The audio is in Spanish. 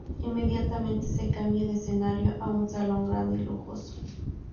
Inmediatamente se cambia de escenario a un salón grande y lujoso.